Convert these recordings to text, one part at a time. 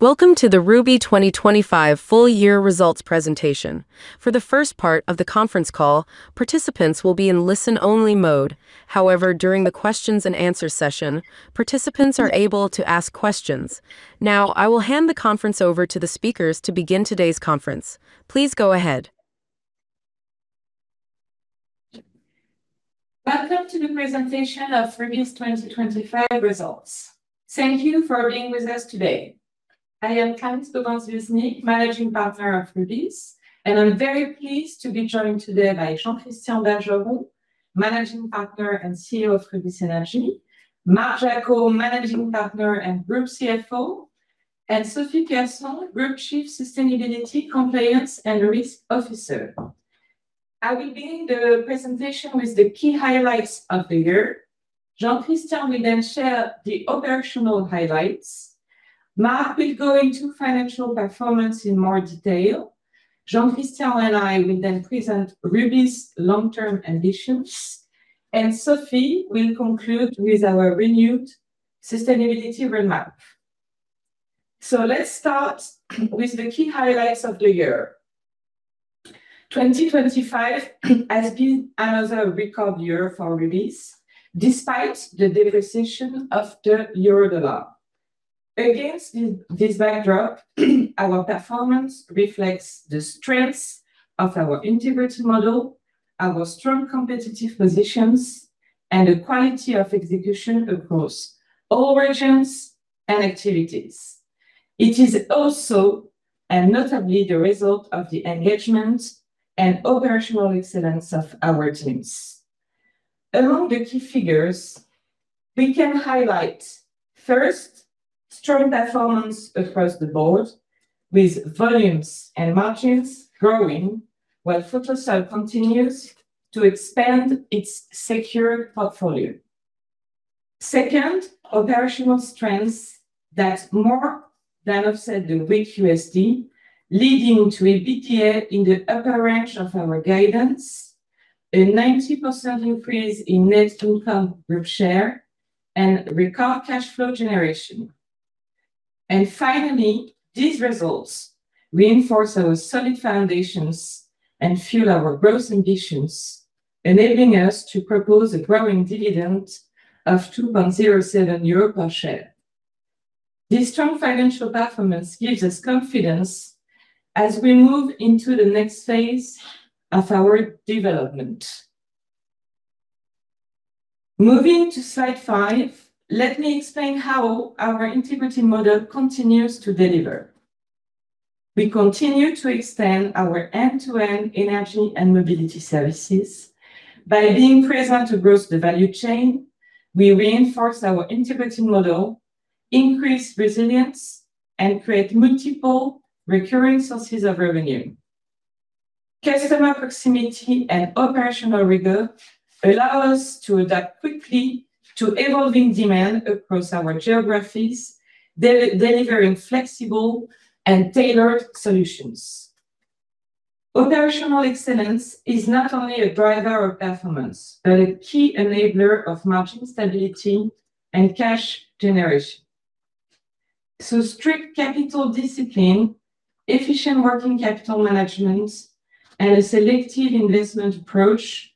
Welcome to the Rubis 2025 full year results presentation. For the first part of the conference call, participants will be in listen-only mode. However, during the questions and answer session, participants are able to ask questions. Now, I will hand the conference over to the speakers to begin today's conference. Please go ahead. Welcome to the presentation of Rubis 2025 results. Thank you for being with us today. I am Clarisse Gobin-Swiecznik, Managing Partner of Rubis, and I'm very pleased to be joined today by Jean-Christian Bergeron, Managing Partner and CEO of Rubis Énergie, Marc Jacquot, Managing Partner and Group CFO, and Sophie Pierson, Group Chief Sustainability, Compliance, and Risk Officer. I will begin the presentation with the key highlights of the year. Jean-Christian will then share the operational highlights. Marc will go into financial performance in more detail. Jean-Christian and I will then present Rubis long-term ambitions, and Sophie will conclude with our renewed sustainability roadmap. Let's start with the key highlights of the year. 2025 has been another record year for Rubis, despite the depreciation of the U.S.dollar gainst the euro. Against this backdrop, our performance reflects the strengths of our integrated model, our strong competitive positions, and the quality of execution across all regions and activities. It is also, and notably, the result of the engagement and operational excellence of our teams. Among the key figures, we can highlight first, strong performance across the board with volumes and margins growing while Photosol continues to expand its secure portfolio. Second, operational strengths that more than offset the weak U.S. dollar, leading to an EBITDA in the upper range of our guidance, a 90% increase in net income group share, and record cash flow generation. Finally, these results reinforce our solid foundations and fuel our growth ambitions, enabling us to propose a growing dividend of 2.07 euro per share. This strong financial performance gives us confidence as we move into the next phase of our development. Moving to slide five, let me explain how our integrated model continues to deliver. We continue to extend our end-to-end energy and mobility services. By being present across the value chain, we reinforce our integrated model, increase resilience, and create multiple recurring sources of revenue. Customer proximity and operational rigor allow us to adapt quickly to evolving demand across our geographies, delivering flexible and tailored solutions. Operational excellence is not only a driver of performance, but a key enabler of margin stability and cash generation. Strict capital discipline, efficient working capital management, and a selective investment approach,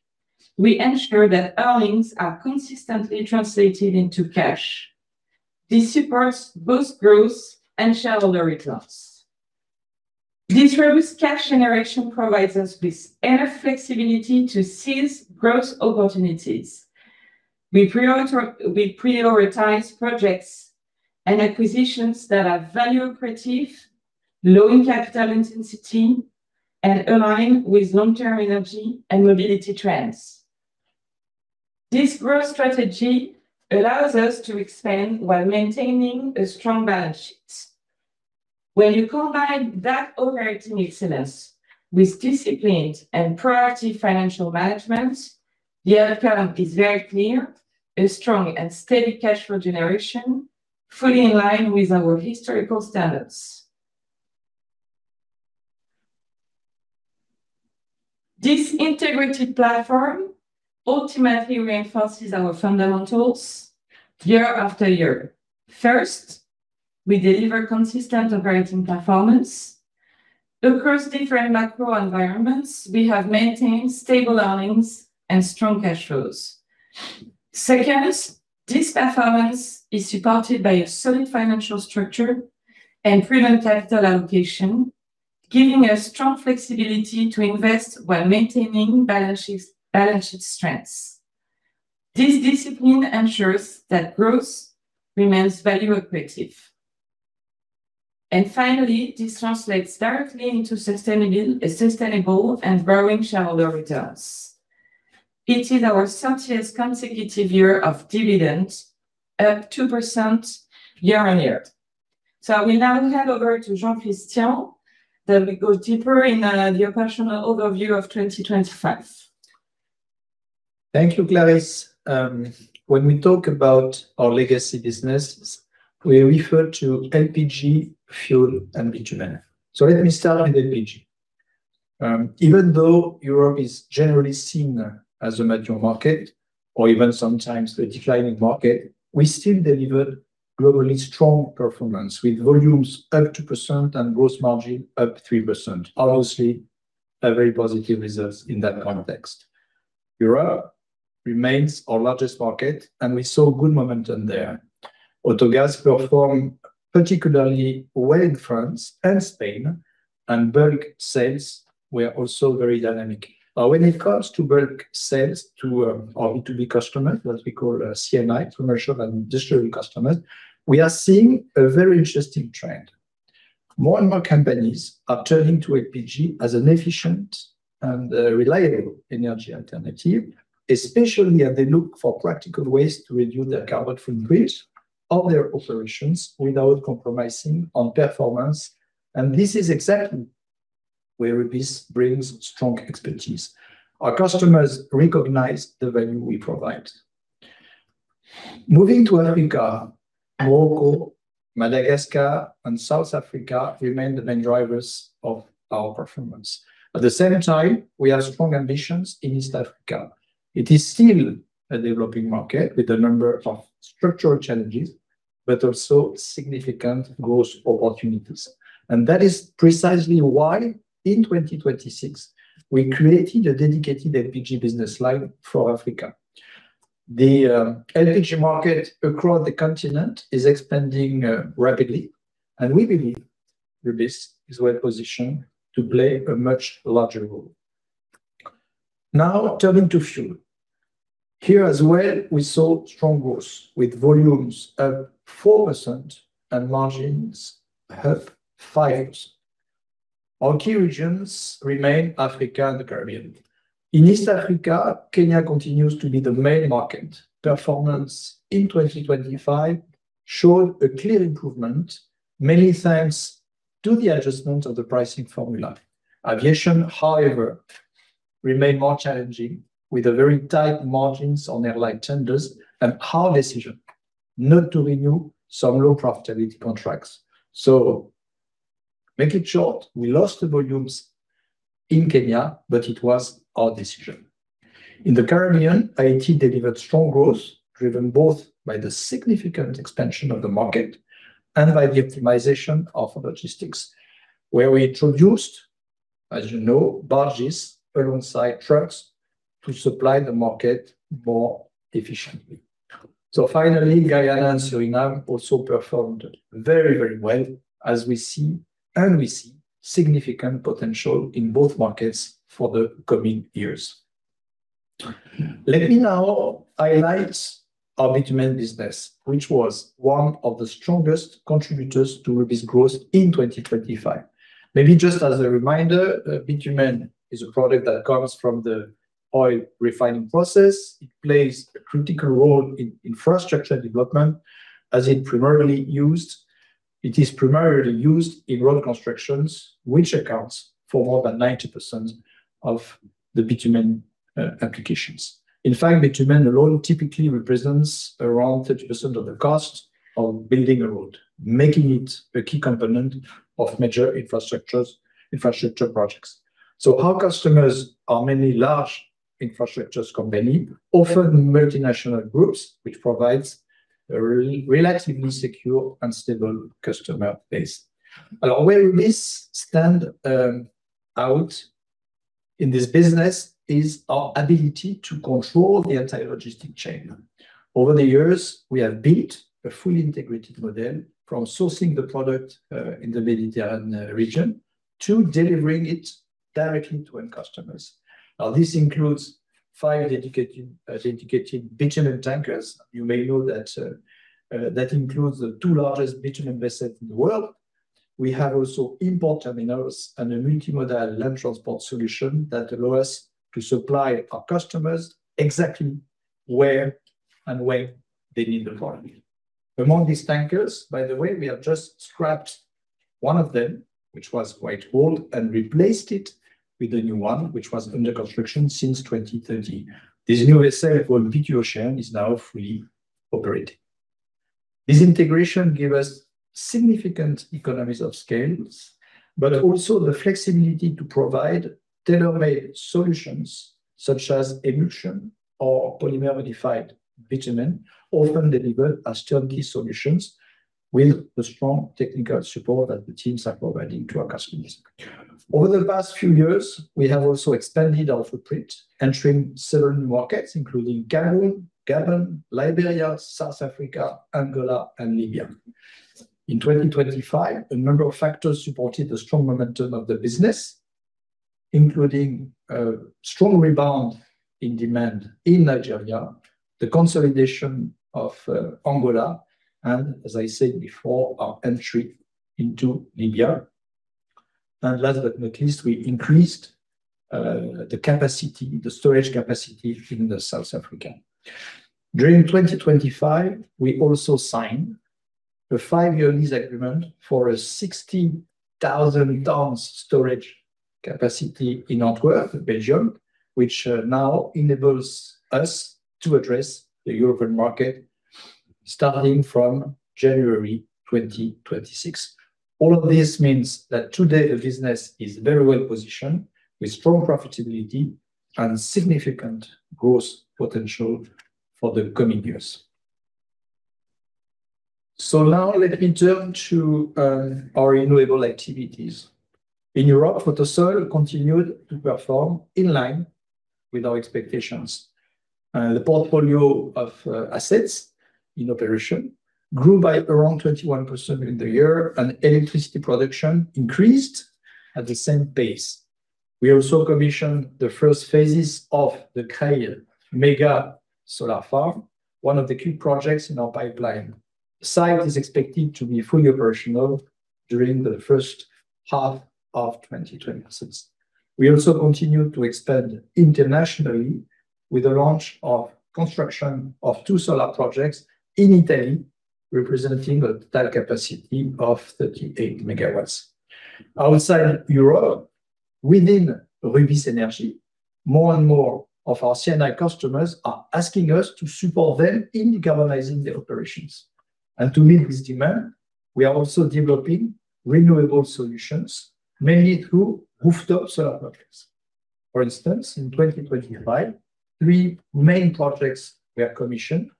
we ensure that earnings are consistently translated into cash. This supports both growth and shareholder returns. This robust cash generation provides us with added flexibility to seize growth opportunities. We prioritize projects and acquisitions that are value accretive, low in capital intensity, and align with long-term energy and mobility trends. This growth strategy allows us to expand while maintaining a strong balance sheet. When you combine that operating excellence with disciplined and priority financial management, the outcome is very clear, a strong and steady cash flow generation fully in line with our historical standards. This integrated platform ultimately reinforces our fundamentals year after year. First, we deliver consistent operating performance. Across different macro environments, we have maintained stable earnings and strong cash flows. Second, this performance is supported by a solid financial structure and prudent capital allocation, giving us strong flexibility to invest while maintaining balance sheet strengths. This discipline ensures that growth remains value accretive. Finally, this translates directly into sustainable and growing shareholder returns. It is our seventh consecutive year of dividend, up 2% year-on-year. I will now hand over to Jean-Christian, then we go deeper into the operational overview of 2025. Thank you, Clarisse. When we talk about our legacy business, we refer to LPG, fuel, and bitumen. Let me start with LPG. Even though Europe is generally seen as a mature market or even sometimes a declining market, we still delivered globally strong performance with volumes up 2% and gross margin up 3%. Obviously, a very positive results in that context. Europe remains our largest market, and we saw good momentum there. Autogas performed particularly well in France and Spain. Bulk sales were also very dynamic. When it comes to bulk sales to our B2B customers, what we call C&I, commercial and industrial customers, we are seeing a very interesting trend. More and more companies are turning to LPG as an efficient and reliable energy alternative, especially as they look for practical ways to reduce their carbon footprint of their operations without compromising on performance. This is exactly where Rubis brings strong expertise. Our customers recognize the value we provide. Moving to Africa: Morocco, Madagascar and South Africa remain the main drivers of our performance. At the same time, we have strong ambitions in East Africa. It is still a developing market with a number of structural challenges, but also significant growth opportunities. That is precisely why, in 2026, we created a dedicated LPG business line for Africa. The LPG market across the continent is expanding rapidly, and we believe Rubis is well positioned to play a much larger role. Now turning to fuel. Here as well, we saw strong growth with volumes up 4% and margins up 5%. Our key regions remain Africa and the Caribbean. In East Africa, Kenya continues to be the main market. Performance in 2025 showed a clear improvement, mainly thanks to the adjustment of the pricing formula. Aviation, however, remained more challenging with the very tight margins on airline tenders and our decision not to renew some low profitability contracts. Make it short, we lost the volumes in Kenya, but it was our decision. In the Caribbean, Haiti delivered strong growth, driven both by the significant expansion of the market and by the optimization of logistics, where we introduced, as you know, barges alongside trucks to supply the market more efficiently. Finally, Guyana and Suriname also performed very, very well as we see significant potential in both markets for the coming years. Let me now highlight our bitumen business, which was one of the strongest contributors to Rubis growth in 2025. Maybe just as a reminder, bitumen is a product that comes from the oil refining process. It plays a critical role in infrastructure development as it is primarily used in road construction, which accounts for more than 90% of the bitumen applications. In fact, bitumen alone typically represents around 30% of the cost of building a road, making it a key component of major infrastructure projects. Our customers are mainly large infrastructure companies, often multinational groups, which provides a relatively secure and stable customer base. Where Rubis stands out in this business is our ability to control the entire logistics chain. Over the years, we have built a fully integrated model from sourcing the product in the Mediterranean region to delivering it directly to end customers. Now, this includes five dedicated bitumen tankers. You may know that includes the two largest bitumen vessels in the world. We have also import terminals and a multimodal land transport solution that allow us to supply our customers exactly where and when they need the product. Among these tankers, by the way, we have just scrapped one of them, which was quite old, and replaced it with a new one, which was under construction since 2030. This new vessel called Bitu Ocean is now fully operating. This integration give us significant economies of scales, but also the flexibility to provide tailor-made solutions such as emulsion or polymer-modified bitumen, often delivered as turnkey solutions with the strong technical support that the teams are providing to our customers. Over the past few years, we have also expanded our footprint, entering several new markets, including Cameroon, Gabon, Liberia, South Africa, Angola and Libya. In 2025, a number of factors supported the strong momentum of the business, including a strong rebound in demand in Nigeria, the consolidation of Angola, and as I said before, our entry into Libya. Last but not least, we increased the capacity, the storage capacity in South Africa. During 2025, we also signed a five-year lease agreement for a 60,000 tons storage capacity in Antwerp, Belgium. Which now enables us to address the European market starting from January 2026. All of this means that today the business is very well positioned with strong profitability and significant growth potential for the coming years. Now let me turn to our renewable activities. In Europe, Photosol continued to perform in line with our expectations. The portfolio of assets in operation grew by around 21% during the year, and electricity production increased at the same pace. We also commissioned the first phases of the Creil mega solar farm, one of the key projects in our pipeline. The site is expected to be fully operational during the first half of 2026. We also continued to expand internationally with the launch of construction of two solar projects in Italy, representing a total capacity of 38 MW. Outside Europe, within Rubis Énergie, more and more of our C&I customers are asking us to support them in decarbonizing their operations. To meet this demand, we are also developing renewable solutions, mainly through rooftop solar projects. For instance, in 2025, three main projects were commissioned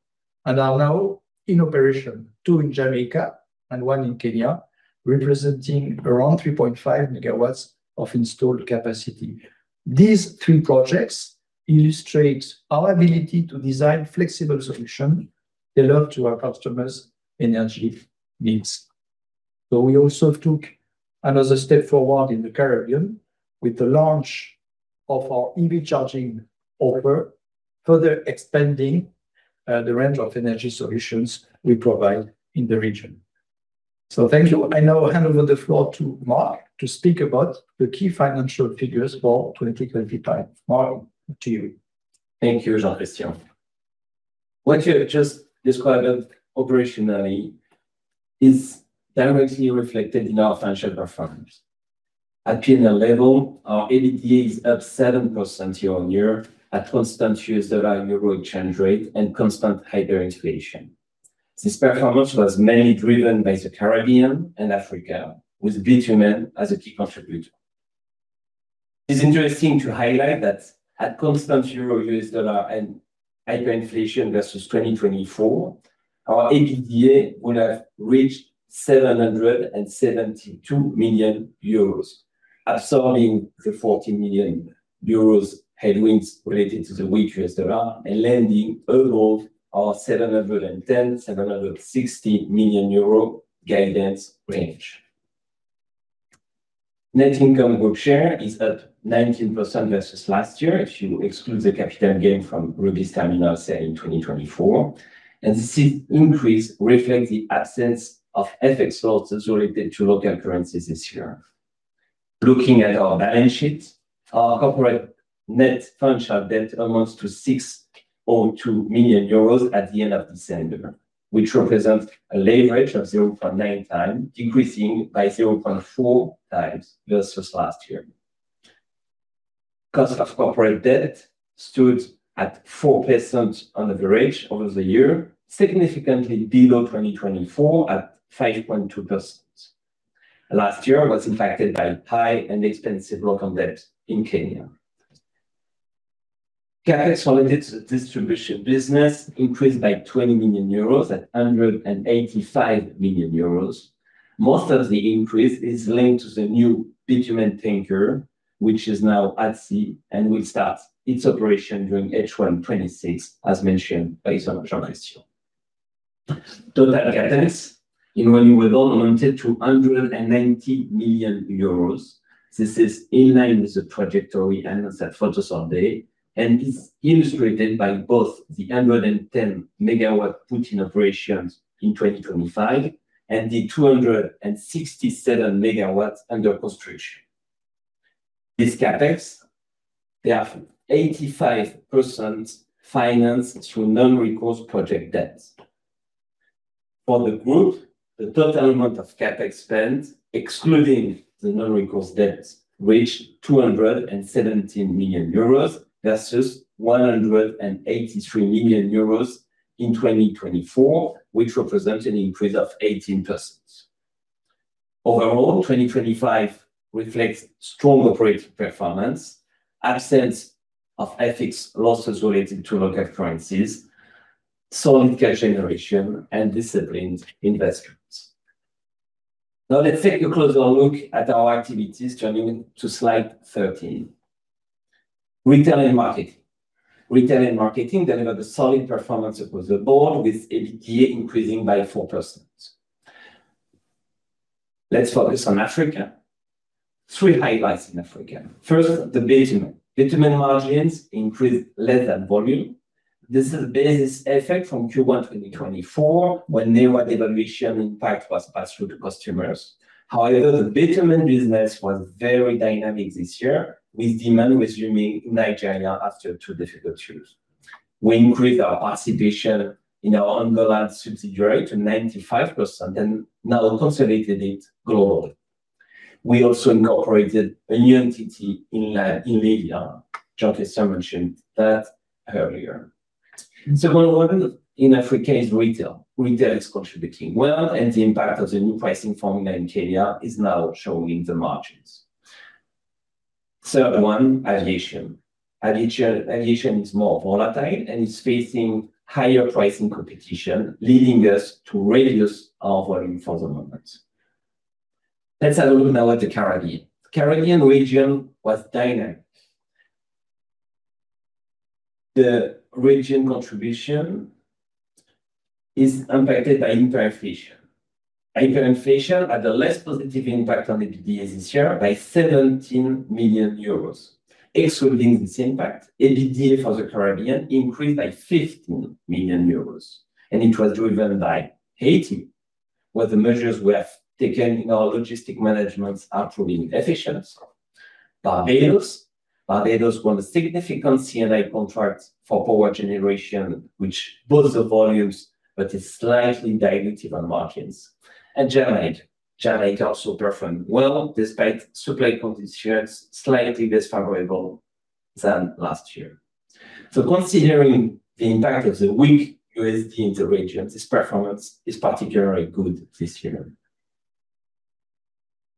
and are now in operation, two in Jamaica and one in Kenya, representing around 3.5 MW of installed capacity. These three projects illustrate our ability to design flexible solution tailored to our customers' energy needs. We also took another step forward in the Caribbean with the launch of our EV charging offer, further expanding the range of energy solutions we provide in the region. Thank you. I now hand over the floor to Marc to speak about the key financial figures for 2025. Marc, to you. Thank you, Jean-Christian. What you have just described operationally is directly reflected in our financial performance. At P&L level, our EBITDA is up 7% year-on-year at constant U.S. dollar/euro exchange rate and constant hyperinflation. This performance was mainly driven by the Caribbean and Africa, with bitumen as a key contributor. It's interesting to highlight that at constant euro/U.S. dollar and hyperinflation versus 2024, our EBITDA would have reached 772 million euros, absorbing the 40 million euros headwinds related to the weak U.S. dollar and landing overall our EUR 710 million-EUR 760 million guidance range. Net income group share is up 19% versus last year if you exclude the capital gain from Rubis Terminal sale in 2024, and this increase reflects the absence of FX losses related to local currencies this year. Looking at our balance sheet, our corporate net financial debt amounts to 6.2 million euros at the end of December, which represents a leverage of 0.9x, decreasing by 0.4x versus last year. Cost of corporate debt stood at 4% on average over the year, significantly below 2024 at 5.2%. Last year was impacted by high and expensive local debt in Kenya. CapEx for the distribution business increased by 20 million euros to 185 million euros. Most of the increase is linked to the new bitumen tanker, which is now at sea and will start its operation during H1 2026, as mentioned by Jean-Christian. TotalEnergies CapEx in renewables amounted to 190 million euros. This is in line with the trajectory announced at Photosol Day and is illustrated by both the 110 MW put in operations in 2025 and the 267 MW under construction. This CapEx, they have 85% financed through non-recourse project debts. For the group, the total amount of CapEx spent, excluding the non-recourse debts, reached 217 million euros versus 183 million euros in 2024, which represents an increase of 18%. Overall, 2025 reflects strong operating performance, absence of FX losses related to local currencies, solid cash generation and disciplined investments. Now let's take a closer look at our activities, turning to slide 13. Retail and marketing. Retail and marketing delivered a solid performance across the board, with EBITDA increasing by 4%. Let's focus on Africa. Three highlights in Africa. First, the bitumen. Bitumen margins increased less than volume. This is a base effect from Q1 2024 when naira devaluation impact was passed through to customers. However, the bitumen business was very dynamic this year with demand resuming in Nigeria after two difficult years. We increased our participation in our on-the-land subsidiary to 95% and now consolidated it globally. We also incorporated a new entity in Libya. Jean-Christian mentioned that earlier. Second one in Africa is retail. Retail is contributing well, and the impact of the new pricing formula in Kenya is now showing in the margins. Third one, aviation. Aviation is more volatile and is facing higher pricing competition, leading us to reduce our volume for the moment. Let's have a look now at the Caribbean. Caribbean region was dynamic. The region contribution is impacted by hyperinflation. Hyperinflation had a less positive impact on the EBITDA this year by 17 million euros. Excluding this impact, EBITDA for the Caribbean increased by 15 million euros, and it was driven by Haiti, where the measures we have taken in our logistic managements are proving efficient. Barbados. Barbados won a significant C&I contract for power generation, which boosts the volumes but is slightly dilutive on margins. Jamaica. Jamaica also performed well despite supply conditions slightly less favorable than last year. Considering the impact of the weak USD in the region, this performance is particularly good this year.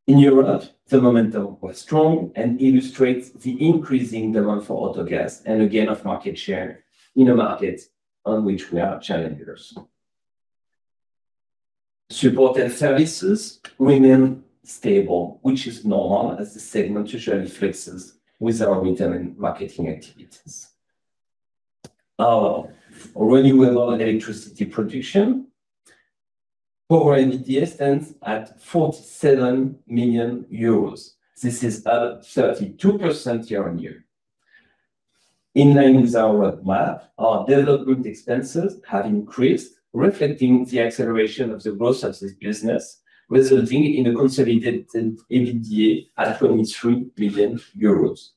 In Europe, the momentum was strong and illustrates the increasing demand for autogas and a gain of market share in a market on which we are challengers. Support and services remain stable, which is normal as the segment usually flexes with our retail and marketing activities. Our renewable electricity production power EBITDA stands at 47 million euros. This is up 32% year-on-year. In line with our plan, our development expenses have increased, reflecting the acceleration of the growth of this business, resulting in a consolidated EBITDA at 23 million euros.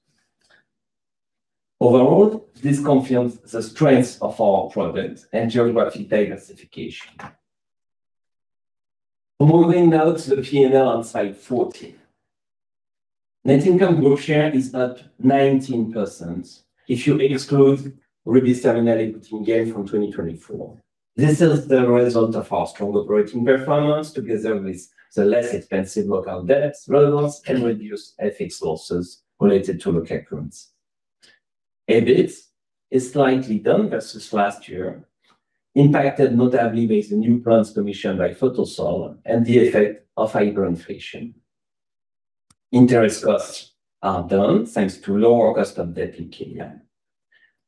Overall, this confirms the strength of our product and geographic diversification. Moving now to the P&L on slide 14. Net income Group share is up 19% if you exclude Rubis Terminal equity gain from 2024. This is the result of our strong operating performance together with the less expensive local debt refinancing and reduced FX losses related to local currency. EBIT is slightly down versus last year, impacted notably by the new plants commissioned by Photosol and the effect of hyperinflation. Interest costs are down thanks to lower cost of debt in Kenya.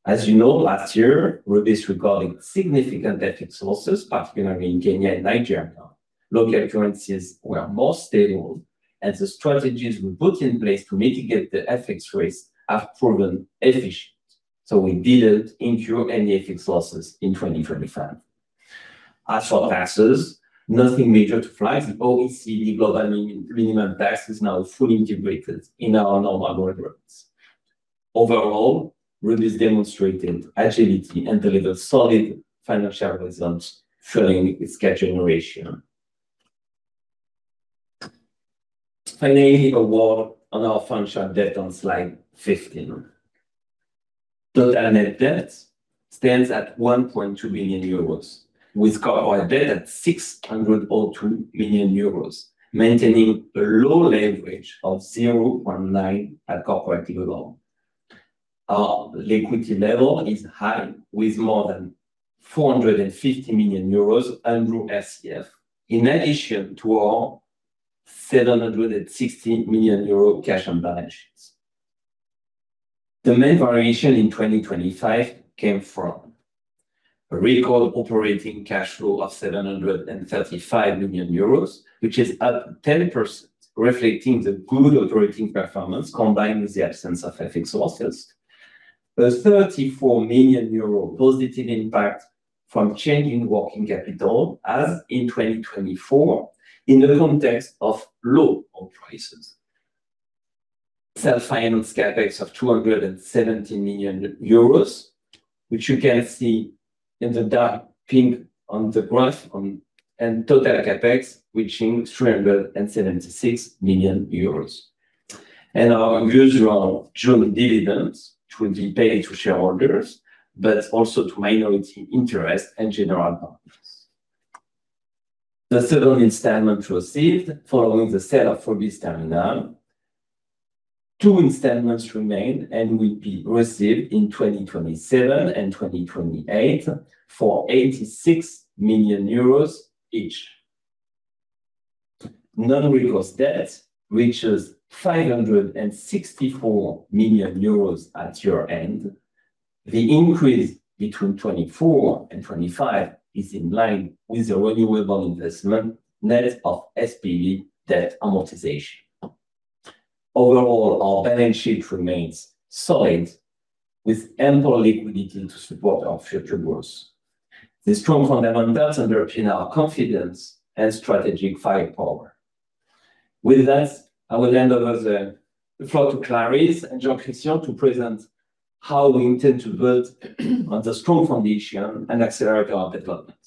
As you know, last year, Rubis recorded significant FX losses, particularly in Kenya and Nigeria. Local currencies were more stable, and the strategies we put in place to mitigate the FX risk have proven efficient, so we didn't incur any FX losses in 2025. As for taxes, nothing major to flag. The OECD global minimum tax is now fully integrated in our normal group. Overall, Rubis demonstrated agility and delivered solid financial results, fueling its cash generation. Finally, a word on our financial debt on slide 15. Total net debt stands at 1.2 billion euros, with core debt at 602 million euros, maintaining a low leverage of 0.9x at corporate level. Our liquidity level is high, with more than 450 million euros under RCF, in addition to our 760 million euro cash on balance sheets. The main variation in 2025 came from a record operating cash flow of 735 million euros, which is up 10%, reflecting the good operating performance combined with the absence of FX losses. A 34 million euro positive impact from change in working capital as in 2024 in the context of low oil prices. Self-financed CapEx of 270 million euros, which you can see in the dark pink on the graph. Total CapEx reaching 376 million euros. Our usual June dividends, which will be paid to shareholders, but also to minority interest and general partners. The seventh installment received following the sale of Rubis Terminal. Two installments remain and will be received in 2027 and 2028 for 86 million euros each. Non-recourse debt reaches 564 million euros at year-end. The increase between 2024 and 2025 is in line with the renewable investment net of SPV debt amortization. Overall, our balance sheet remains solid with ample liquidity to support our future growth. These strong fundamentals underpin our confidence and strategic firepower. With that, I will hand over the floor to Clarisse and Jean-Christian to present. How we intend to build on the strong foundation and accelerate our development.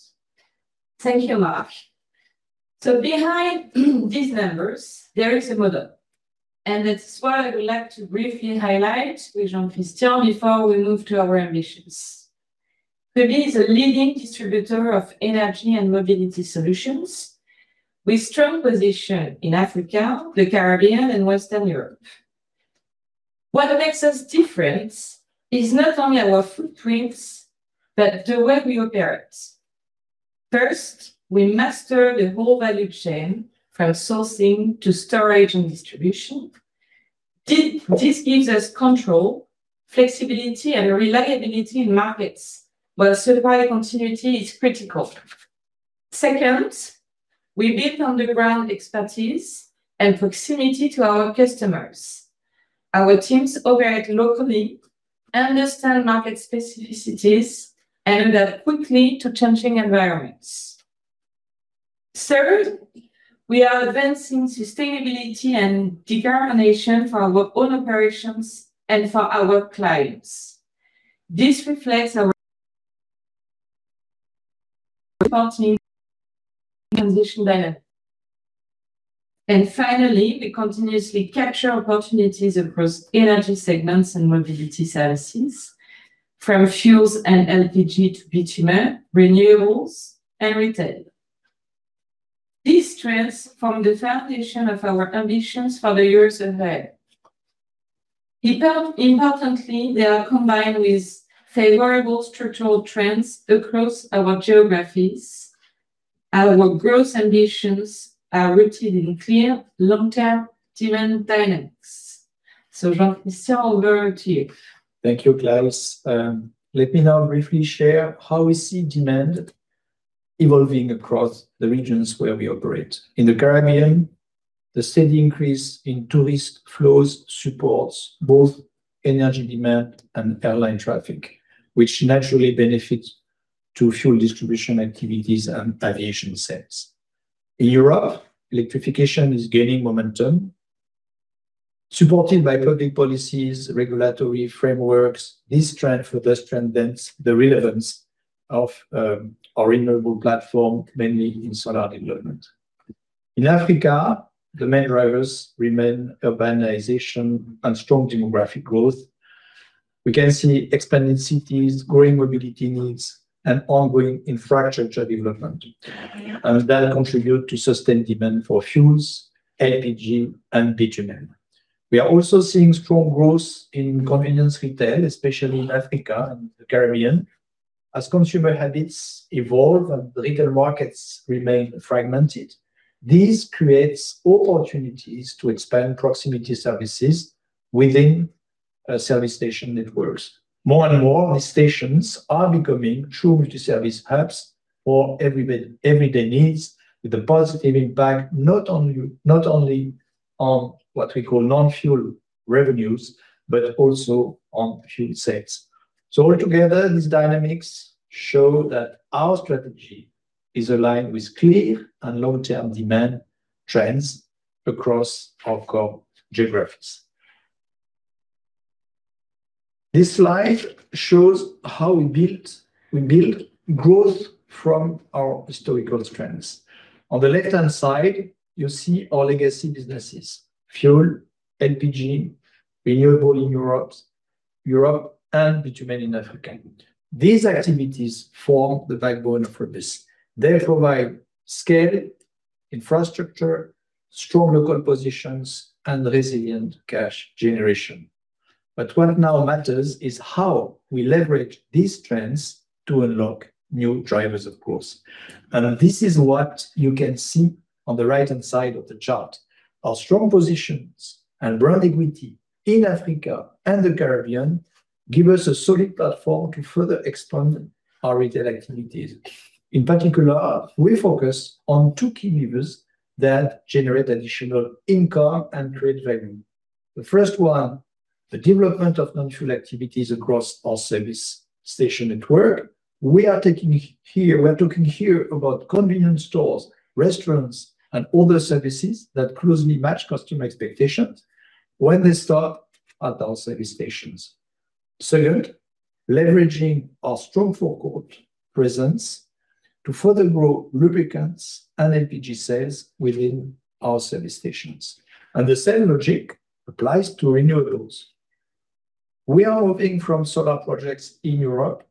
Thank you, Marc. Behind these numbers, there is a model, and that's why I would like to briefly highlight with Jean-Christian before we move to our ambitions. Rubis is a leading distributor of energy and mobility solutions with strong position in Africa, the Caribbean, and Western Europe. What makes us different is not only our footprints, but the way we operate. First, we master the whole value chain from sourcing to storage and distribution. This gives us control, flexibility, and reliability in markets where supply continuity is critical. Second, we build on-the-ground expertise and proximity to our customers. Our teams operate locally, understand market specificities, and adapt quickly to changing environments. Third, we are advancing sustainability and decarbonization for our own operations and for our clients. This reflects our reporting transition better. Finally, we continuously capture opportunities across energy segments and mobility services from fuels and LPG to bitumen, renewables, and retail. These trends form the foundation of our ambitions for the years ahead. Importantly, they are combined with favorable structural trends across our geographies. Our growth ambitions are rooted in clear long-term demand dynamics. Jean-Christian, over to you. Thank you, Clarisse. Let me now briefly share how we see demand evolving across the regions where we operate. In the Caribbean, the steady increase in tourist flows supports both energy demand and airline traffic, which naturally benefits to fuel distribution activities and aviation sales. In Europe, electrification is gaining momentum, supported by public policies, regulatory frameworks. This trend further strengthens the relevance of our renewable platform, mainly in solar development. In Africa, the main drivers remain urbanization and strong demographic growth. We can see expanding cities, growing mobility needs, and ongoing infrastructure development, and that contribute to sustained demand for fuels, LPG, and bitumen. We are also seeing strong growth in convenience retail, especially in Africa and the Caribbean, as consumer habits evolve and retail markets remain fragmented. This creates opportunities to expand proximity services within service station networks. More and more, these stations are becoming true multi-service hubs for everyday needs with a positive impact, not only on what we call non-fuel revenues, but also on fuel sales. Altogether, these dynamics show that our strategy is aligned with clear and long-term demand trends across our core geographies. This slide shows how we build growth from our historical strengths. On the left-hand side, you see our legacy businesses: fuel, LPG, renewables in Europe, and bitumen in Africa. These activities form the backbone of purpose. They provide scale, infrastructure, strong local positions, and resilient cash generation. What now matters is how we leverage these trends to unlock new drivers, of course. This is what you can see on the right-hand side of the chart. Our strong positions and brand equity in Africa and the Caribbean give us a solid platform to further expand our retail activities. In particular, we focus on two key levers that generate additional income and trade value. The first one, the development of non-fuel activities across our service station network. We are talking here about convenience stores, restaurants, and other services that closely match customer expectations when they stop at our service stations. Second, leveraging our strong forecourt presence to further grow lubricants and LPG sales within our service stations. The same logic applies to renewables. We are moving from solar projects in Europe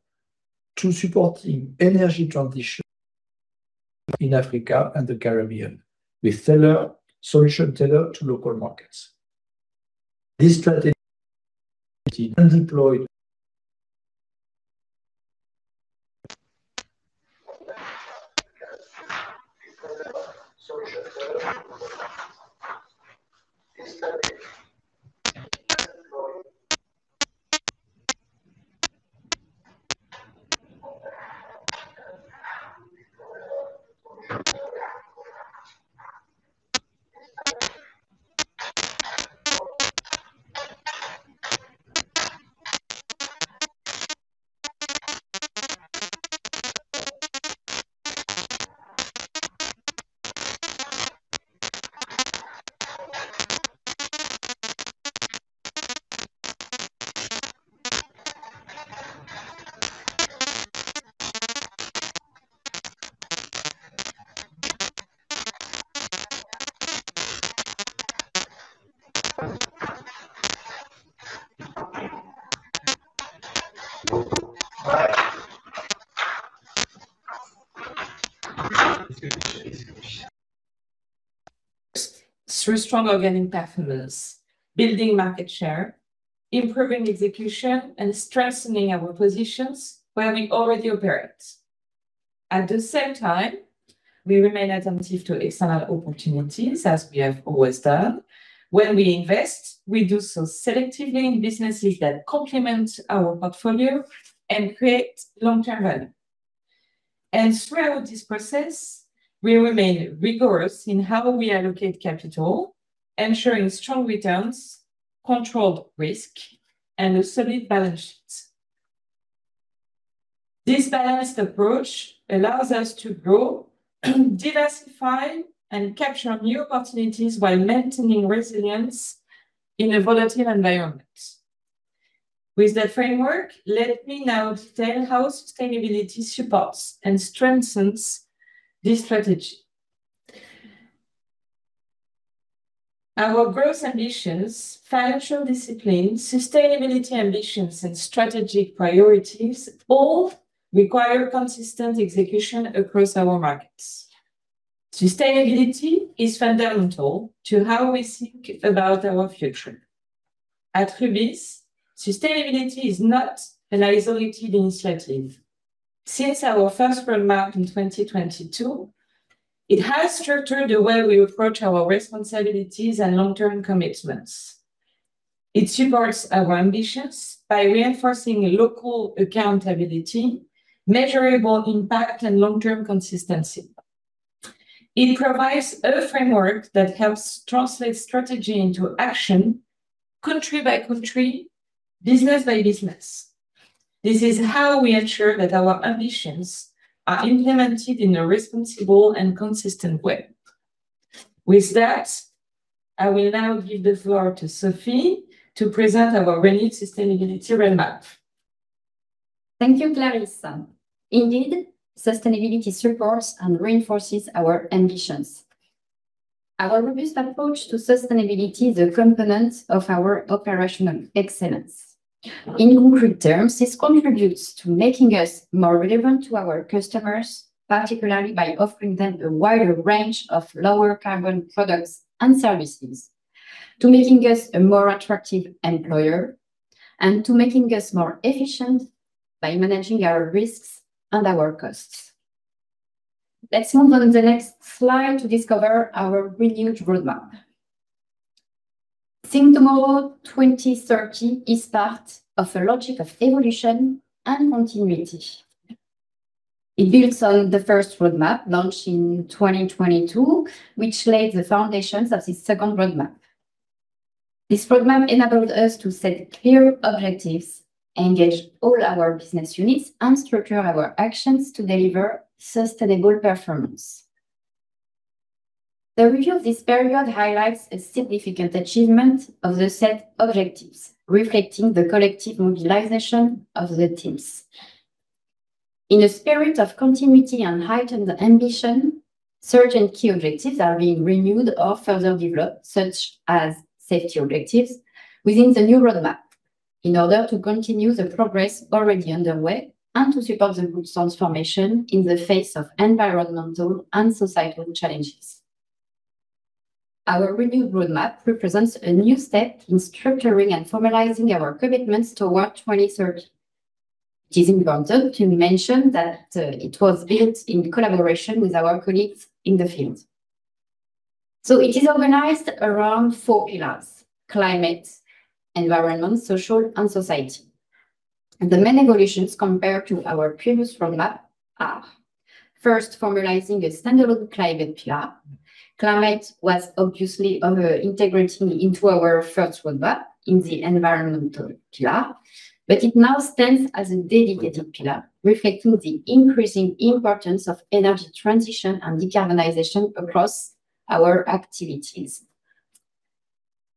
to supporting energy transition in Africa and the Caribbean with solutions tailored to local markets. This strategy and deployed solutions tailored to local markets. Through strong organic performance, building market share, improving execution, and strengthening our positions where we already operate. At the same time, we remain attentive to external opportunities as we have always done. When we invest, we do so selectively in businesses that complement our portfolio and create long-term value. Throughout this process, we remain rigorous in how we allocate capital, ensuring strong returns, controlled risk, and a solid balance sheet. This balanced approach allows us to grow, diversify, and capture new opportunities while maintaining resilience in a volatile environment. With that framework, let me now detail how sustainability supports and strengthens this strategy. Our growth ambitions, financial discipline, sustainability ambitions, and strategic priorities all require consistent execution across our markets. Sustainability is fundamental to how we think about our future. At Rubis, sustainability is not an isolated initiative. Since our first roadmap in 2022, it has structured the way we approach our responsibilities and long-term commitments. It supports our ambitions by reinforcing local accountability, measurable impact, and long-term consistency. It provides a framework that helps translate strategy into action country by country, business by business. This is how we ensure that our ambitions are implemented in a responsible and consistent way. With that, I will now give the floor to Sophie to present our renewed sustainability roadmap. Thank you, Clarisse. Indeed, sustainability supports and reinforces our ambitions. Our Rubis approach to sustainability is a component of our operational excellence. In concrete terms, this contributes to making us more relevant to our customers, particularly by offering them a wider range of lower carbon products and services, to making us a more attractive employer, and to making us more efficient by managing our risks and our costs. Let's move on to the next slide to discover our renewed roadmap. Think Tomorrow 2030 is part of the logic of evolution and continuity. It builds on the first roadmap launched in 2022, which laid the foundations of this second roadmap. This program enabled us to set clear objectives, engage all our business units, and structure our actions to deliver sustainable performance. The review of this period highlights a significant achievement of the set objectives, reflecting the collective mobilization of the teams. In a spirit of continuity and heightened ambition, certain key objectives are being renewed or further developed, such as safety objectives, within the new roadmap in order to continue the progress already underway and to support the group's transformation in the face of environmental and societal challenges. Our renewed roadmap represents a new step in structuring and formalizing our commitments toward 2030. It is important to mention that, it was built in collaboration with our colleagues in the field. It is organized around four pillars, climate, environment, social, and society. The main evolutions compared to our previous roadmap are first formalizing a standalone climate pillar. Climate was obviously over-integrated into our first roadmap in the environmental pillar, but it now stands as a dedicated pillar, reflecting the increasing importance of energy transition and decarbonization across our activities.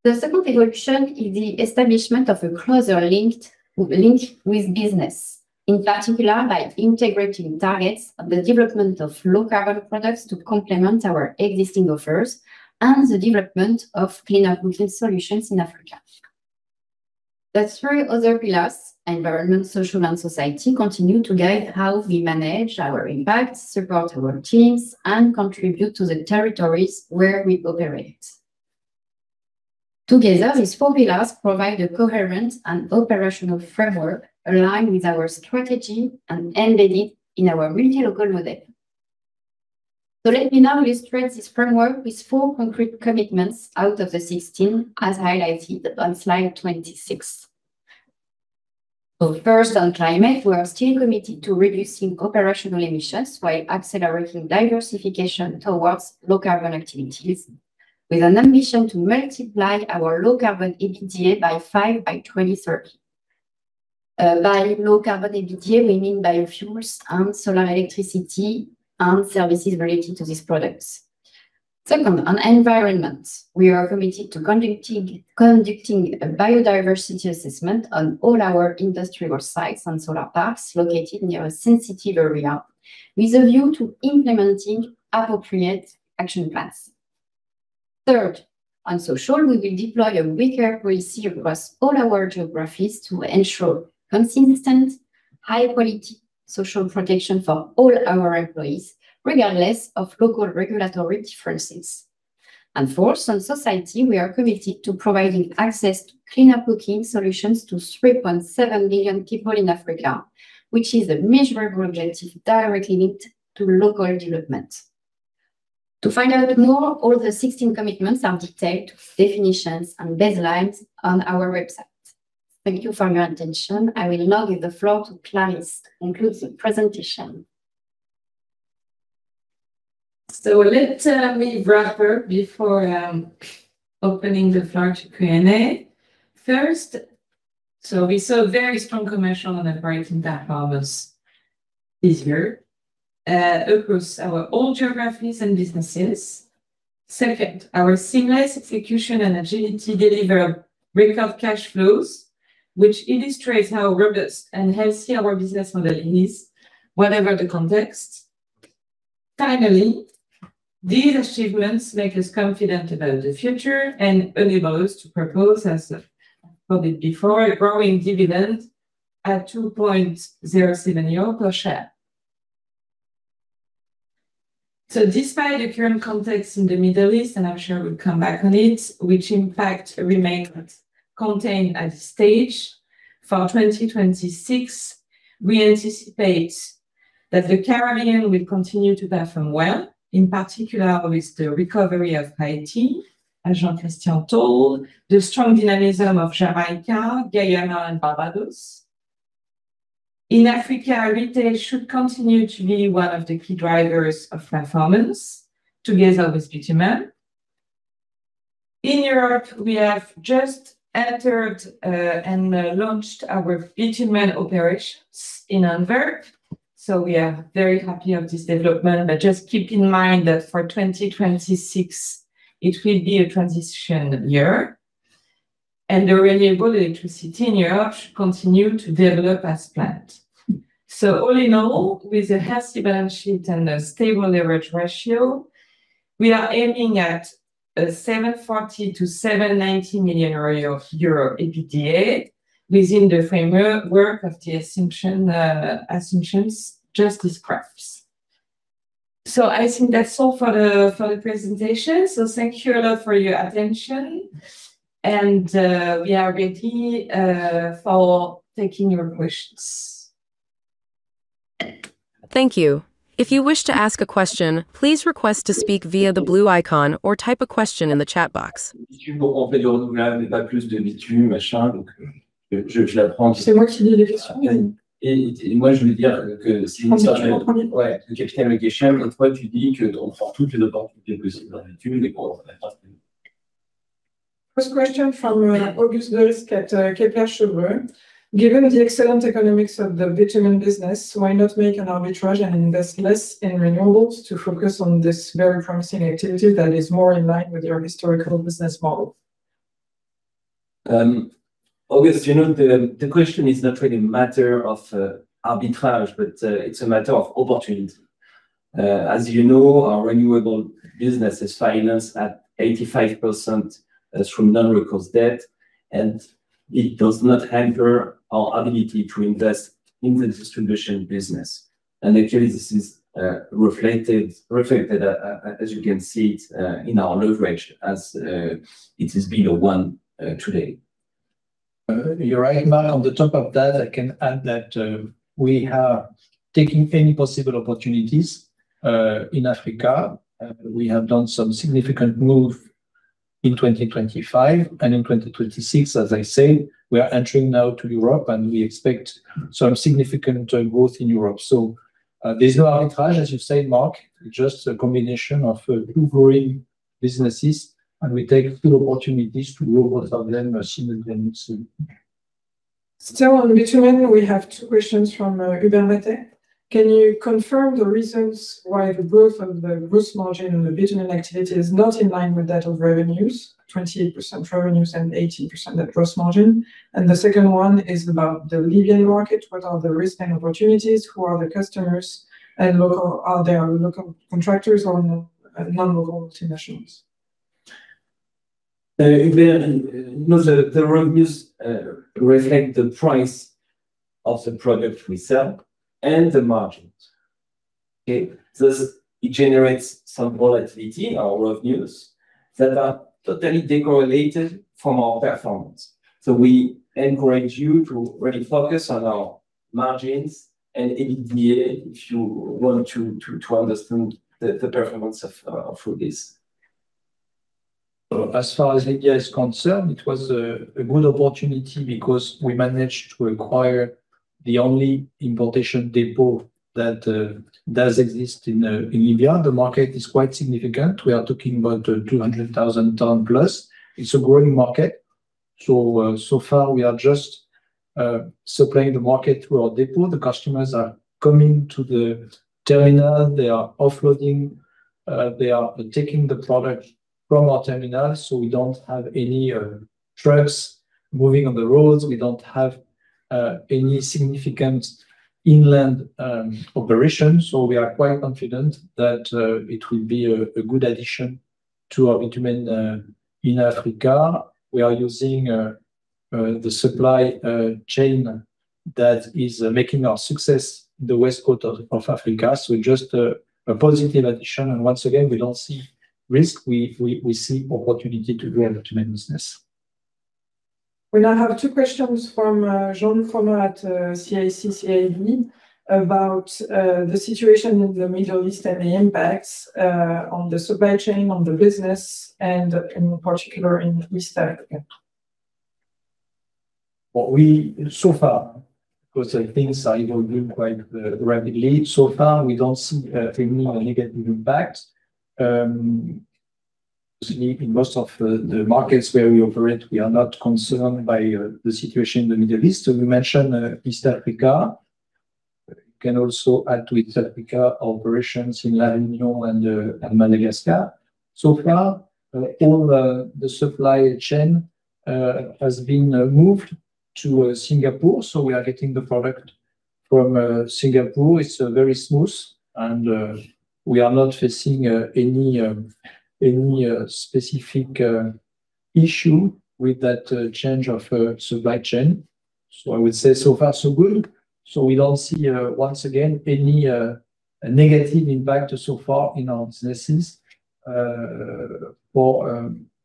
The second evolution is the establishment of a closer linked with business, in particular by integrating targets of the development of low carbon products to complement our existing offers and the development of cleaner solutions in Africa. The three other pillars, environment, social, and society, continue to guide how we manage our impact, support our teams, and contribute to the territories where we operate. Together, these four pillars provide a coherent and operational framework aligned with our strategy and embedded in our multi-local model. Let me now illustrate this framework with four concrete commitments out of the 16 as highlighted on slide 26. First, on climate, we are still committed to reducing operational emissions while accelerating diversification towards low carbon activities with an ambition to multiply our low carbon EBITDA by 5x by 2030. By low carbon EBITDA, we mean biofuels and solar electricity and services related to these products. Second, on environment, we are committed to conducting a biodiversity assessment on all our industrial sites and solar parks located near a sensitive area with a view to implementing appropriate action plans. Third, on social, we will deploy a worker policy across all our geographies to ensure consistent, high quality social protection for all our employees, regardless of local regulatory differences. Fourth, on society, we are committed to providing access to cleaner cooking solutions to 3.7 billion people in Africa, which is a measurable objective directly linked to local development. To find out more, all the 16 commitments are detailed with definitions and baselines on our website. Thank you for your attention. I will now give the floor to Clarisse to conclude the presentation. Let me wrap up before opening the floor to Q&A. First, we saw very strong commercial and operating performance this year, across all our geographies and businesses. Second, our seamless execution and agility deliver record cash flows, which illustrates how robust and healthy our business model is, whatever the context. Finally, these achievements make us confident about the future and enable us to propose, as I've said before, a growing dividend at 2.07 euro per share. Despite the current context in the Middle East, and I'm sure we'll come back on it, which in fact remains contained at this stage. For 2026, we anticipate that the Caribbean will continue to perform well, in particular with the recovery of Haiti, as Jean-Christian told, the strong dynamism of Jamaica, Guyana and Barbados. In Africa, retail should continue to be one of the key drivers of performance together with bitumen. In Europe, we have just entered and launched our bitumen operations in Antwerp, so we are very happy of this development. Just keep in mind that for 2026 it will be a transition year and the renewable electricity in Europe should continue to develop as planned. All in all, with a healthy balance sheet and a stable leverage ratio, we are aiming at 740 million-790 million euro EBITDA within the framework of the assumptions just described. I think that's all for the presentation. Thank you a lot for your attention. We are ready for taking your questions. Thank you. If you wish to ask a question, please request to speak via the blue icon or type a question in the chat box. First question from Auguste Deryckx at Kepler Cheuvreux. Given the excellent economics of the bitumen business, why not make an arbitrage and invest less in renewables to focus on this very promising activity that is more in line with your historical business model? Auguste, you know, the question is not really a matter of arbitrage, but it's a matter of opportunity. As you know, our renewable business is financed at 85% from non-recourse debt, and it does not hinder our ability to invest in the distribution business. Actually, this is reflected as you can see in our leverage as it has been 1x today. You're right, Marc. On top of that, I can add that, we are taking any possible opportunities in Africa. We have done some significant move in 2025. In 2026, as I say, we are entering now to Europe, and we expect some significant growth in Europe. There's no arbitrage, as you say, Marc, just a combination of two growing businesses. We take full opportunities to roll both of them simultaneously. Still on bitumen, we have two questions from [Emmanuel Matot]. Can you confirm the reasons why the growth of the gross margin on the bitumen activity is not in line with that of revenues, 28% revenues and 18% net gross margin? The second one is about the Libyan market. What are the risks and opportunities? Who are the customers, and are there local contractors or non-local multinationals? Emmanuel, no, the revenues reflect the price of the product we sell and the margins. Okay? It generates some volatility on our revenues that are totally decorrelated from our performance. We encourage you to really focus on our margins and EBITDA if you want to understand the performance of Rubis. As far as Libya is concerned, it was a good opportunity because we managed to acquire the only importation depot that does exist in Libya. The market is quite significant. We are talking about 200,000 tons+. It is a growing market. We are just supplying the market to our depot. The customers are coming to the terminal. They are offloading. They are taking the product from our terminal, so we do not have any trucks moving on the roads. We do not have any significant inland operations. We are quite confident that it will be a good addition to our network in Africa. We are using the supply chain that is making our success in the west coast of Africa. Just a positive addition. Once again, we don't see risk. We see opportunity to grow our business. We now have two questions from Jean-Luc Romain from CIC Capital Markets ,about the situation in the Middle East and the impacts on the supply chain, on the business and in particular in East Africa. So far, because things are evolving quite rapidly. So far, we don't see any negative impacts. In most of the markets where we operate, we are not concerned by the situation in the Middle East. We mentioned East Africa. Can also add to East Africa operations in La Réunion and Madagascar. So far, all the supply chain has been moved to Singapore. We are getting the product from Singapore. It's very smooth, and we are not facing any specific issue with that change of supply chain. I would say so far so good. We don't see once again any negative impact so far in our businesses for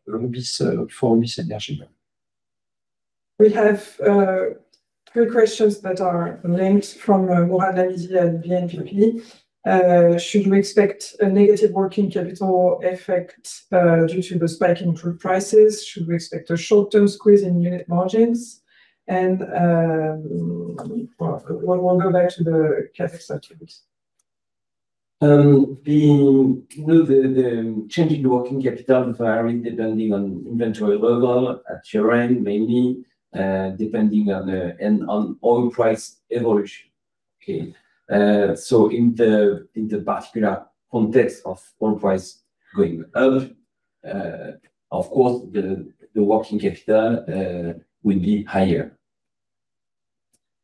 Rubis for Rubis Énergie. We have two questions that are linked from Mourad Lahmidi at BNP Paribas Exane. Should we expect a negative working capital effect due to the spike in crude prices? Should we expect a short-term squeeze in unit margins? Well, we'll go back to the CapEx opportunities. You know, the change in the working capital varying depending on inventory level at year-end, mainly depending on oil price evolution. Okay. In the particular context of oil price going up, of course, the working capital will be higher.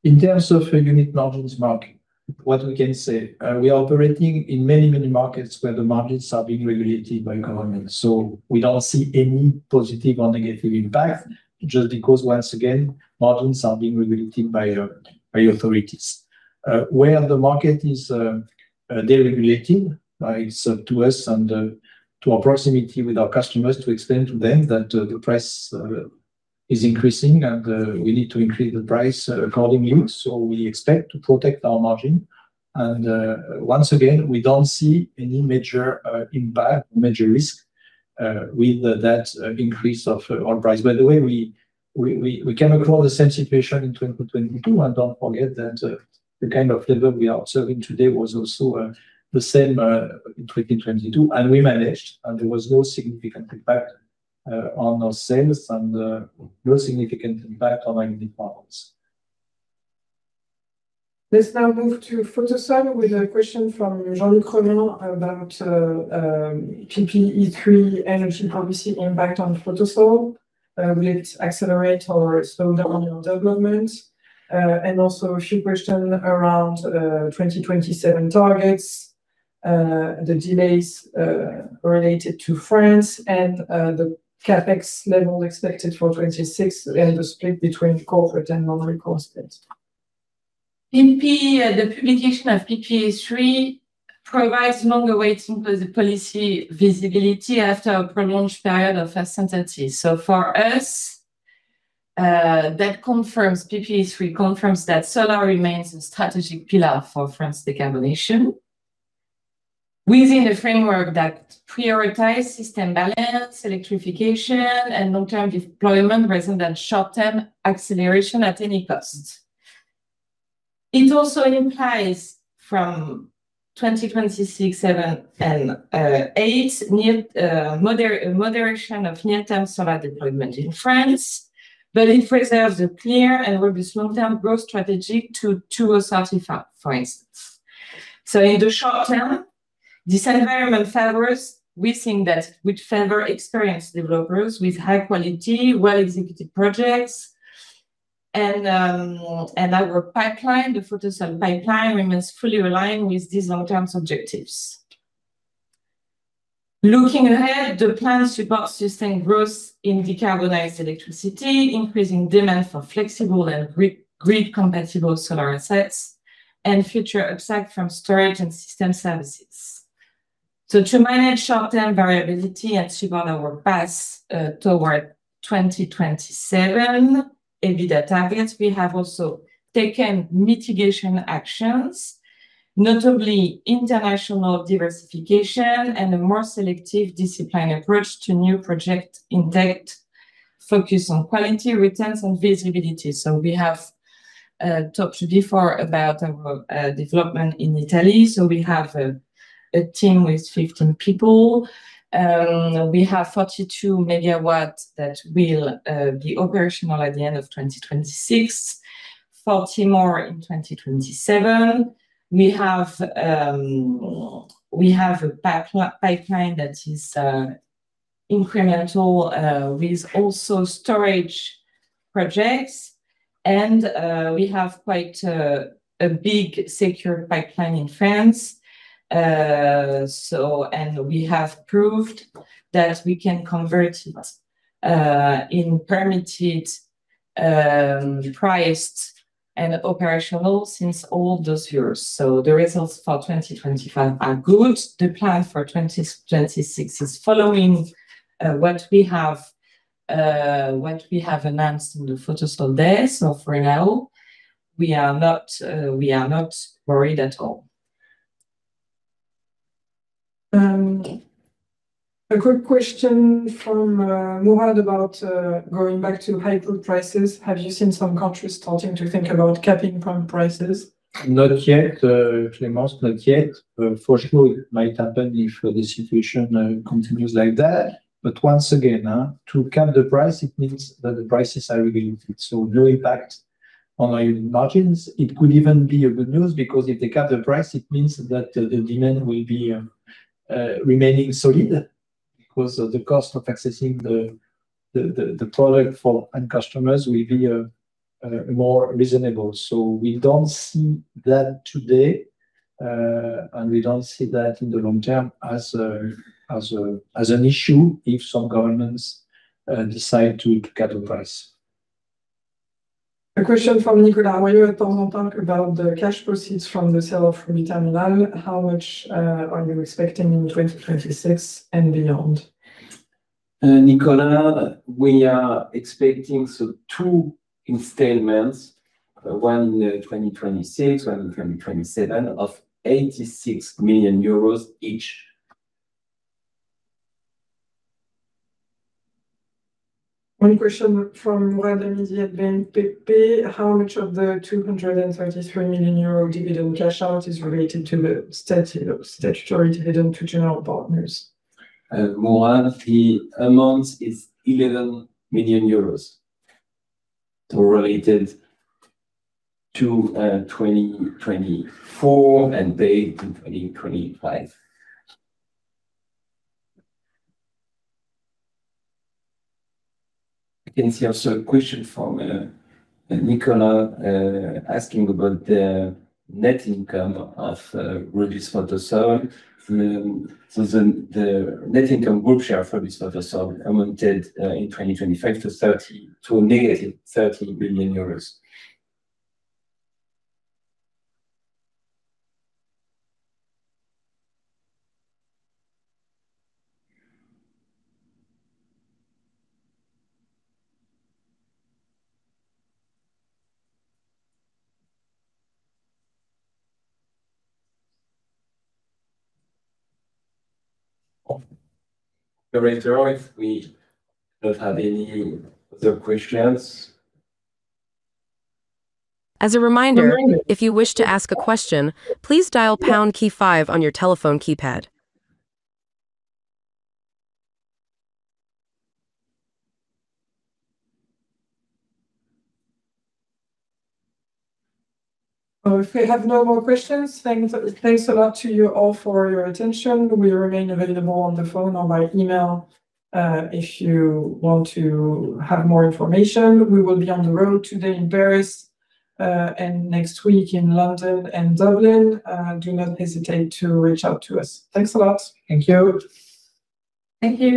In terms of unit margins, what we can say, we are operating in many, many markets where the margins are being regulated by government. We don't see any positive or negative impact just because once again, margins are being regulated by authorities. Where the market is deregulated, it's up to us and to our proximity with our customers to explain to them that the price is increasing, and we need to increase the price accordingly. We expect to protect our margin. Once again, we don't see any major impact or major risk with that increase of oil price. By the way, we came across the same situation in 2022, and don't forget that, the kind of level we are observing today was also, the same, in 2022. We managed, and there was no significant impact on our sales and no significant impact on our unit margins. Let's now move to Photosol with a question from Jean-Luc Romain about PPE3 energy policy impact on Photosol. Will it accelerate or slow down on your development? Also a few question around 2027 targets, the delays related to France and the CapEx level expected for 2026 and the split between corporate and non-recourse debt. The publication of PPE3 provides long-awaited policy visibility after a prolonged period of uncertainty. For us, PPE3 confirms that solar remains a strategic pillar for France's decarbonization within a framework that prioritize system balance, electrification, and long-term deployment rather than short-term acceleration at any cost. It also implies from 2026, 2027, and 2028 near-term moderation of near-term solar deployment in France, but it reserves a clear and Rubis long-term growth strategy to our strategy, for instance. In the short term, this environment favors, we think that it would favor experienced developers with high quality, well-executed projects. Our pipeline, the Photosol pipeline remains fully aligned with these long-term objectives. Looking ahead, the plan supports sustained growth in decarbonized electricity, increasing demand for flexible and grid-compatible solar assets, and future upside from storage and system services. To manage short-term variability and support our path toward 2027 EBITDA targets, we have also taken mitigation actions, notably international diversification and a more selective discipline approach to new project intake, focus on quality, returns, and visibility. We have talked before about our development in Italy. We have a team with 15 people. We have 42 MW that will be operational at the end of 2026, 40 MW more in 2027. We have a pipeline that is incremental with also storage projects and we have quite a big secured pipeline in France. We have proved that we can convert into permitted, priced and operational since all those years. The results for 2025 are good. The plan for 2026 is following what we have announced in the Photosol. For now, we are not worried at all. A quick question from Mourad about going back to high fuel prices. Have you seen some countries starting to think about capping fuel prices? Not yet, Clémence. Not yet. For sure it might happen if the situation continues like that. Once again, to cap the price, it means that the prices are regulated, so no impact on our margins. It could even be a good news because if they cap the price, it means that the demand will be remaining solid because of the cost of accessing the product for end customers will be more reasonable. We don't see that today, and we don't see that in the long term as an issue if some governments decide to cap price. A question from Nicolas Royot. Will you at some point talk about the cash proceeds from the sale of Rubis Terminal? How much are you expecting in 2026 and beyond? Nicolas, we are expecting so two installments, one in 2026, one in 2027 of EUR 86 million each. One question from Mourad Lahmidi at BNP Paribas Exane. How much of the 233 million euro dividend cash out is related to the statutory dividend to general partners? Mourad, the amount is 11 million euros, so related to 2024 and paid in 2025. I can see also a question from Nicolas asking about the net income of Rubis Photosol. The net income group share for Rubis Photosol amounted in 2025 to -EUR 30 million. Operator, if we don't have any other questions. As a reminder, if you wish to ask a question, please dial pound key five on your telephone keypad. Oh, if we have no more questions, thanks a lot to you all for your attention. We remain available on the phone or by email, if you want to have more information. We will be on the road today in Paris, and next week in London and Dublin. Do not hesitate to reach out to us. Thanks a lot. Thank you. Thank you.